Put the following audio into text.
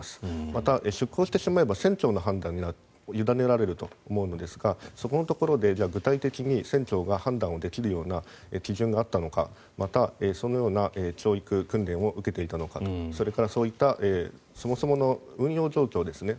また、出航してしまえば船長の判断に委ねられると思うんですがそこのところで、具体的に船長が判断をできるような基準があったのかまたそのような教育・訓練を受けていたのかそれからそういったそもそもの運用状況ですね。